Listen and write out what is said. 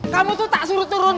kamu tuh tak suruh turun